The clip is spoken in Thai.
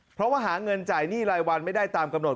เพราะว่าหาเงินจ่ายหนี้รายวันไม่ได้ตามกำหนด